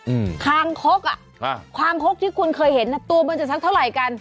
อืมคางคกอ่ะฮะคางคกที่คุณเคยเห็นน่ะตัวมันจะสักเท่าไหร่กัน